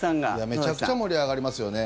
めちゃくちゃ盛り上がりますよね。